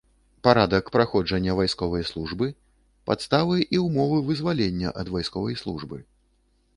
Парадак праходжання вайсковай службы, падставы і ўмовы вызвалення ад вайсковай службы.